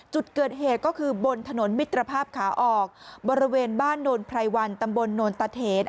จุดเกิดเหตุก็คือบนถนนมิตรภาพขาออกบริเวณบ้านโนนไพรวันตำบลโนนตะเถน